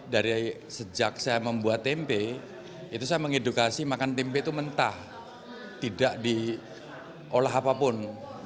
dari sejak saya membuat tempe itu saya mengedukasi makan tempe itu mentah tidak diolah apapun